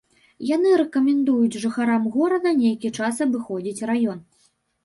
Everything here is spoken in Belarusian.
Яны рэкамендуюць жыхарам горада нейкі час абыходзіць раён.